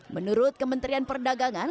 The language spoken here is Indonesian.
menurut kementerian perdagangan